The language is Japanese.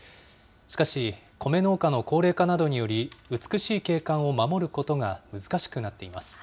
しかし、米農家の高齢化などにより、美しい景観を守ることが難しくなっています。